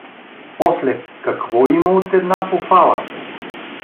После, какво има от една пофала?